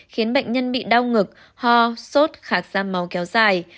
khiến bệnh nhân bị đau ngực ho sốt khạt da máu kéo dài